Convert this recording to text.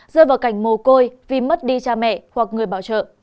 rơi vào cảnh mồ côi vì mất đi cha mẹ hoặc người bảo trợ